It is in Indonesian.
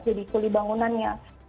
jadi kuli bangunannya